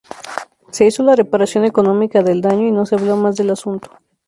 Se hizo la reparación económica del daño y no se habló más del asunto.